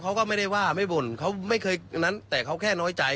เขาก็ไม่ได้ว่าไม่บ่นเขาไม่เคยอันนั้นแต่เขาแค่น้อยใจ